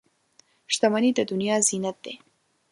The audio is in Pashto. • شتمني د دنیا زینت دی.